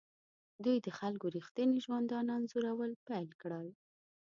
دوی د خلکو ریښتیني ژوندانه انځورول پیل کړل.